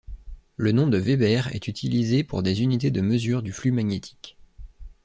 Le nom de Weber est utilisé pour des unités de mesure du flux magnétique.